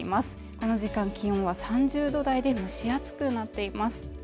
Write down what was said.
この時間気温は３０度台で蒸し暑くなっています